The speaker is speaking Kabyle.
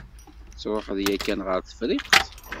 Truḥeḍ yakan ɣer Tefriqt?